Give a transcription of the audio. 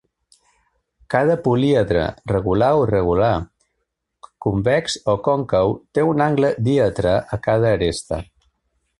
Cada políedre, regular o irregular, convex o còncau, té un angle díedre a cada aresta.